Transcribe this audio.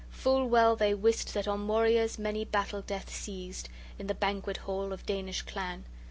Full well they wist that on warriors many battle death seized, in the banquet hall, of Danish clan.